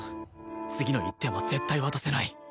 次の１点は絶対渡せない